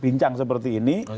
bincang seperti ini